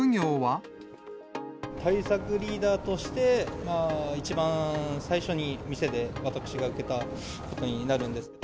対策リーダーとして、一番最初に、店で私が受けたことになるんです。